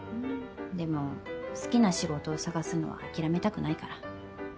でも好きな仕事を探すのは諦めたくないから。